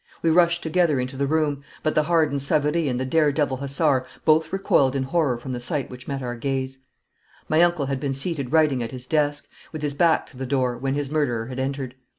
We rushed together into the room, but the hardened Savary and the dare devil hussar both recoiled in horror from the sight which met our gaze. My uncle had been seated writing at his desk, with his back to the door, when his murderer had entered.